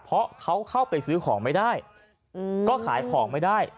เพราะเขาเข้าไปซื้อของไม่ได้ก็ขายของไม่ได้